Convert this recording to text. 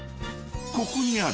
［ここにある］